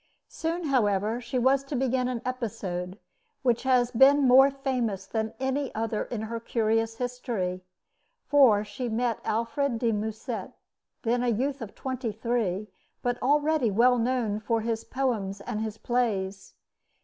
Soon, however, she was to begin an episode which has been more famous than any other in her curious history, for she met Alfred de Musset, then a youth of twenty three, but already well known for his poems and his plays.